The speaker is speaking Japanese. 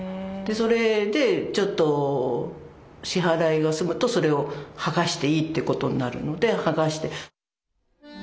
でそれでちょっと支払いが済むとそれを剥がしていいってことになるので剥がして。